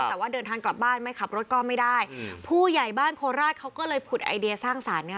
แต่ว่าเดินทางกลับบ้านไม่ขับรถก็ไม่ได้ผู้ใหญ่บ้านโคราชเขาก็เลยผุดไอเดียสร้างสรรค์เนี้ย